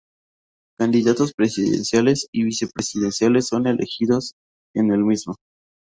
Candidatos presidenciales y vice-presidenciales son elegidos en el mismo.